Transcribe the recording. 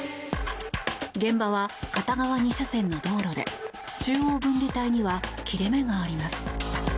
現場は片側２車線の道路で中央分離帯には切れ目があります。